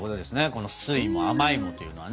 この「酸いも甘いも」っていうのはね。